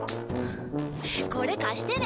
これ貸してね。